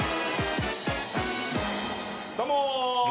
どうも。